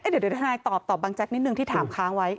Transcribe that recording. เดี๋ยวทนายตอบบังแจ๊กนิดนึงที่ถามค้างไว้